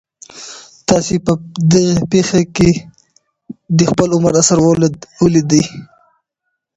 تاسي په دغه پېښي کي د خپل عمر اثر ولیدی؟